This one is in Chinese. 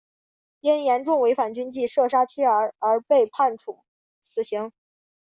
因严重违反军纪射杀妻儿而被判处死刑。